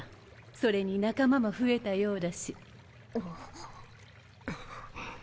それに仲間も増えたようだし。